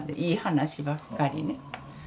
いい話ばっかりね。